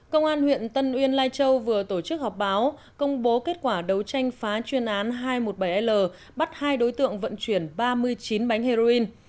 công an huyện tân uyên lai châu vừa tổ chức họp báo công bố kết quả đấu tranh phá chuyên án hai trăm một mươi bảy l bắt hai đối tượng vận chuyển ba mươi chín bánh heroin